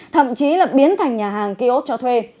thậm chí là biến thành nhà hàng kiosk cho thuê